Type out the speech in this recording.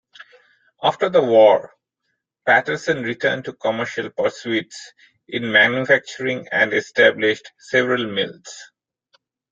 After the war, Patterson returned to commercial pursuits in manufacturing and established several mills.